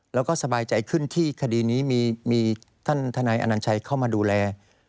แล้วก็สบายใจขึ้นที่คดีนี้มีท่านทนายอนัญชัยเข้ามาดูแล